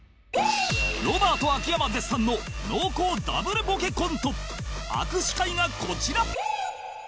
ロバート秋山絶賛の濃厚 Ｗ ボケコント「握手会」がこちら！